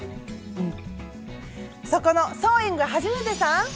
そこのソーイングはじめてさん！